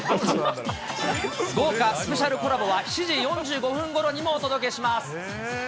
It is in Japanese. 豪華スペシャルコラボは７時４５分ごろにもお届けします。